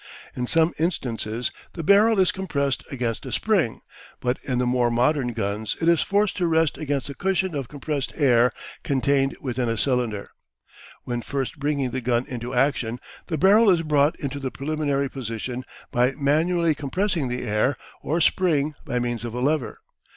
In some instances the barrel is compressed against a spring, but in the more modern guns it is forced to rest against a cushion of compressed air contained within a cylinder. When first bringing the gun into action, the barrel is brought into the preliminary position by manually compressing the air or spring by means of a lever.